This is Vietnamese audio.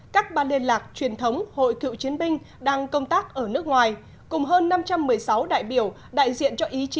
các ban liên lạc truyền thống hội cựu chiến binh đang công tác ở nước ngoài cùng hơn năm trăm một mươi sáu đại biểu đại diện cho ý chí